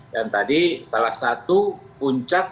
dan tadi salah satu puncak